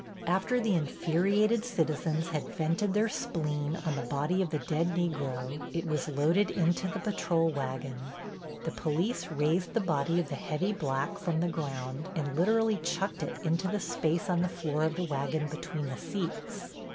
After the infuriated citizens had vented their spleen on the body of the dead Negro it was loaded into the patrol wagon. The police raised the body of the heavy black from the ground and literally chucked it into the space on the floor of the wagon between the seats.